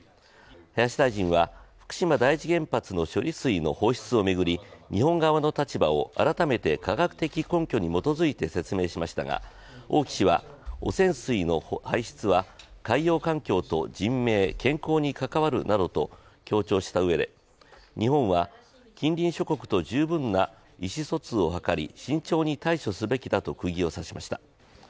林大臣は福島第一原発の処理水の放出を巡り日本側の立場を改めて科学的根拠に基づいて説明しましたが、王毅氏は汚染水の排出は海洋環境と人命、健康に関わるなどと強調したうえで日本は近隣諸国と十分な意思疎通を図り慎重に対処すべきだとクギを刺しました。